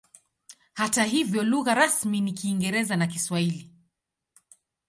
Hata hivyo lugha rasmi ni Kiingereza na Kiswahili.